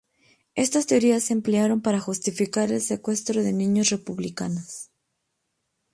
Estas teorías se emplearon para justificar el secuestro de niños republicanos.